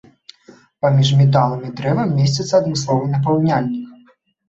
Паміж металам і дрэвам месціцца адмысловы напаўняльнік.